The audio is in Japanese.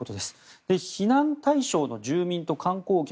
避難対象の住民と観光客